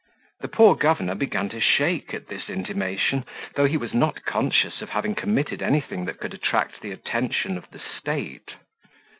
The poor governor began to shake at this intimation, though he was not conscious of having committed anything that could attract the attention of the state.